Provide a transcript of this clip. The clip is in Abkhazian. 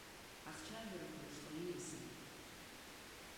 Ахцәажәарақәа рышҟа ииасит.